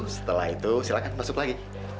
setelah itu silakan masuk lagi